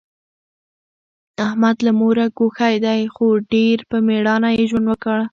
احمد له موره ګوښی دی، خو ډېر په مېړانه یې ژوند وکړ.